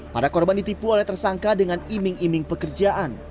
para korban ditipu oleh tersangka dengan iming iming pekerjaan